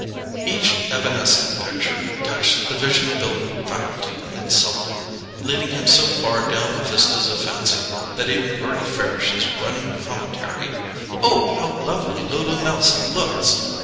Each evanescent picture touched the vision building faculty in Selden, leading him so far down the vistas of fancy that even Gerty Farish's running commentary—"Oh, how lovely Lulu Melson looks!"